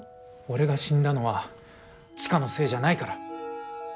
俺が死んだのは千佳のせいじゃないから。